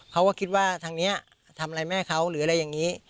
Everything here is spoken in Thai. เขาก็คิดว่าทางนี้ทำอะไรแม่เขาหรืออะไรอย่างนี้